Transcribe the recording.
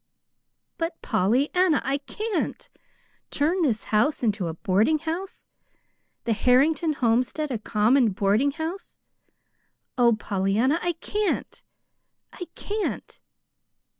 "But, Pollyanna, I can't! Turn this house into a boarding house? the Harrington homestead a common boarding house? Oh, Pollyanna, I can't, I can't!"